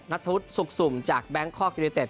นัททะวุฒิสุกสุมจากแบงค์คอร์เกอร์เตศ